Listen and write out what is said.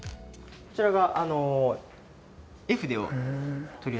こちらは。